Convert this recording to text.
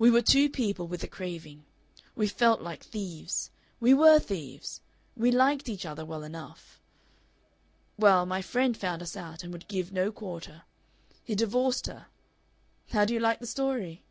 We were two people with a craving. We felt like thieves. We WERE thieves.... We LIKED each other well enough. Well, my friend found us out, and would give no quarter. He divorced her. How do you like the story?"